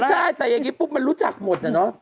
ใช่แต่อย่างนี้ปุ๊บมันรู้จักหมดน่ะเนอะ